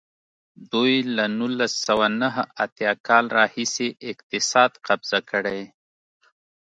دوی له نولس سوه نهه اتیا کال راهیسې اقتصاد قبضه کړی.